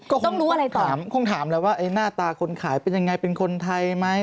ต้องรู้อะไรต่อถามคงถามแล้วว่าไอ้หน้าตาคนขายเป็นยังไงเป็นคนไทยไหม